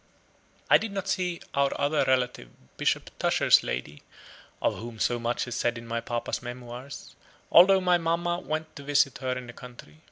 I did not see our other relative, Bishop Tusher's lady, of whom so much is said in my papa's memoirs although my mamma went to visit her in the country.